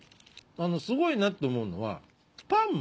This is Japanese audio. あのすごいなって思うのは。